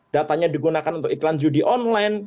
datanya digunakan untuk iklan judi online